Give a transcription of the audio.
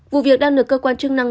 vụ việc đang được cơ quan chức năng